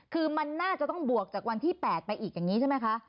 คือมันน่าจะต้องบวกจากวันที่๘ไปอีกอย่างนี้ใช่ไหมคะ